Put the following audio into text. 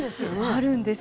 あるんです。